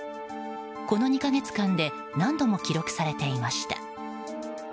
この２か月間で何度も記録されていました。